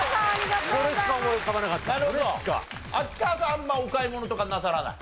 あんまりお買い物とかなさらない？